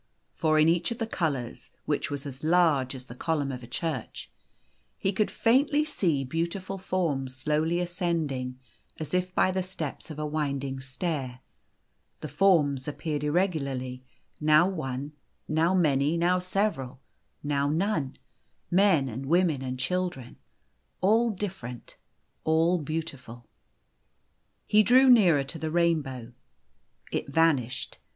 For in each of the colours, which was as laro;e as the column ~ of a church, he could faintly see beautiful forms slowly ascending as if by the steps of a winding stair. The forms appeared irregularly now one, now many, now several, now none men and women and children all different, all beautiful. He drew nearer to the rainbow. It vanished.